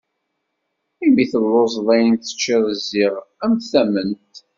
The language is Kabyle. Imi telluẓeḍ ayen teččiḍ ẓid am tamment.